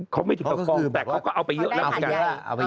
เขาไม่ถึงกับกองแต่เขาก็เอาไปเยอะแล้วเหมือนกัน